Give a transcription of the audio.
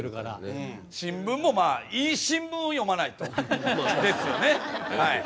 新聞もまあいい新聞を読まないとですよね。